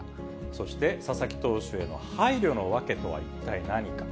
そして佐々木投手への配慮の訳とは一体何か。